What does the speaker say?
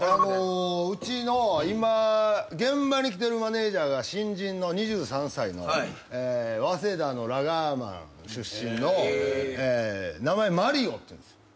うちの今現場に来てるマネジャーが新人の２３歳の早稲田のラガーマン出身の名前マリオっていうんです。